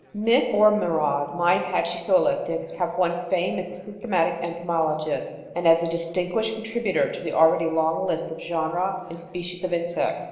Miss Ormerod might, had she so elected, have won fame as a systematic entomologist and as a distinguished contributor to the already long list of genera and species of insects.